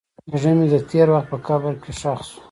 زړه مې د تېر وخت په قبر کې ښخ شو.